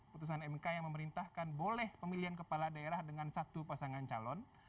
putusan mk yang memerintahkan boleh pemilihan kepala daerah dengan satu pasangan calon